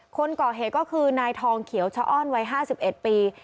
คนก่อเหตุก็คือนายทองเขียวชะอ้อนวัย๕๑ปี